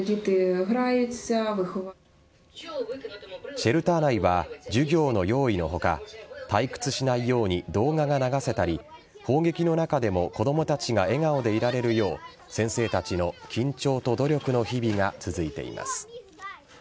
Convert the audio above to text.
シェルター内は授業の用意の他退屈しないように動画が流せたり砲撃の中でも子供たちが笑顔でいられるよう先生たちの緊張と努力の日々が続いています。